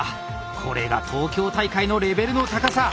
これが東京大会のレベルの高さ。